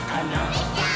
できたー！